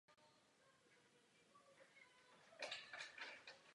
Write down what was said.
Ve filmu se objevil také samotný Hitchcock.